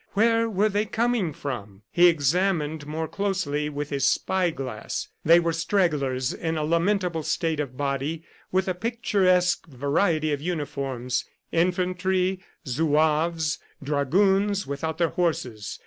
Where were they coming from? ... He examined more closely with his spy glass. They were stragglers in a lamentable state of body and a picturesque variety of uniforms infantry, Zouaves, dragoons without their horses.